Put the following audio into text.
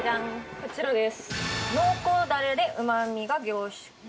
こちらです。